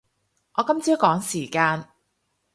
我今朝趕時間